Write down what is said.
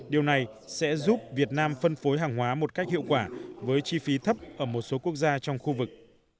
điều này sẽ giúp việt nam phân phối hàng hóa một cách hiệu quả với chi phí thấp ở một số quốc gia trong khu vực